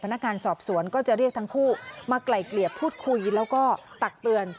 พนักงานสอบสวนก็จะเรียกทั้งคู่มาไกล่เกลี่ยพูดคุยแล้วก็ตักเตือน